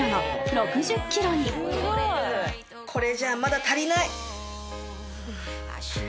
これじゃあまだ足りない。